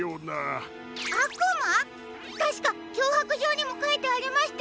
たしかきょうはくじょうにもかいてありましたよね。